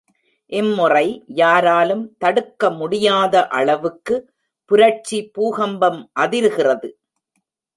இம்முறை யாராலும் தடுக்க முடியாத அளவுக்கு புரட்சி பூகம்பம் அதிருகிறது.